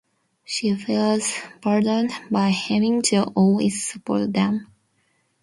She feels burdened by having to always support them.